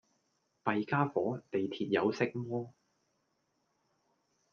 弊傢伙，地鐵有色魔